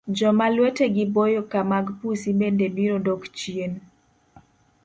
Joma lwetegi boyo ka mag pusi bende birodok chien.